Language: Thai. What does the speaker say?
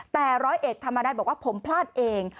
แต่ร้อยเอกธรรมนัฐบอกว่าผมพลาดเอง